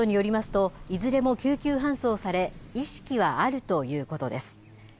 警察などによりますといずれも救急搬送され意識はあるということです。